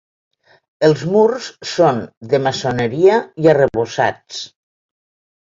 Els murs són de maçoneria i arrebossats.